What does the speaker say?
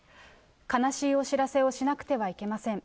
悲しいお知らせをしなくてはいけません。